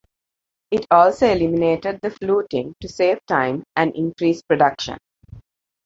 It also eliminated the fluting to save time and increase production.